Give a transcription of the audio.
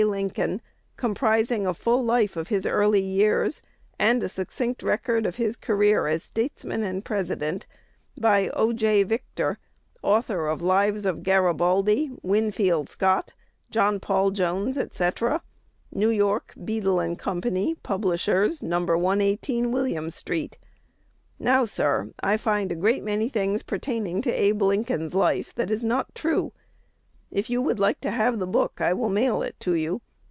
Lincoln, comprising a full life of his early years, and a succinct record of his career as statesman and President, by O. J. Victor, author of Lives of Garibaldi, Winfield Scott, John Paul Jones, &c., New York, Beadle and Company, publishers, No. 118 Williams Street. Now, sir, I find a great many things pertaining to Abe Lincoln's life that is not true. If you would like to have the book, I will mail it to you.